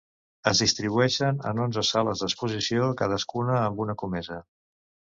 Es distribueixen en onze sales d'exposició, cadascuna amb una comesa.